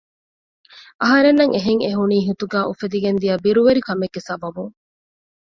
އަހަރެންނަށް އެހެން އެހުނީ ހިތުގައި އުފެދިގެންދިޔަ ބިރުވެރިކަމެއްގެ ސަބަބުން